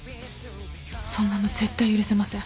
そんなの絶対許せません。